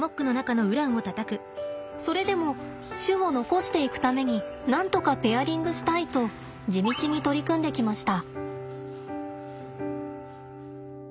それでも種を残していくためになんとかペアリングしたいと地道に取り組んできました。